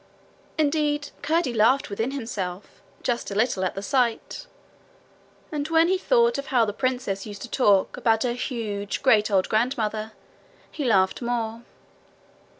Indeed Curdie laughed within himself, just a little, at the sight; and when he thought of how the princess used to talk about her huge, great, old grandmother, he laughed more.